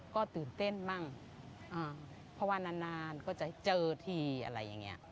ก็ตื่นเต้นบ้างเพราะว่านานนานก็จะเจอทีอะไรอย่างนี้